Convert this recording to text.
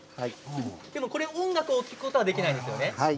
これは音楽を聴くことはできないんですね。